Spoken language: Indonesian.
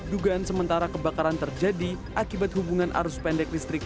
dugaan sementara kebakaran terjadi akibat hubungan arus pendek listrik